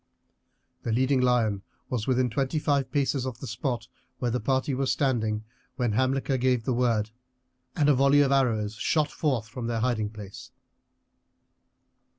The leading lion was within twenty five paces of the spot where the party was standing when Hamilcar gave the word, and a volley of arrows shot forth from their hiding place.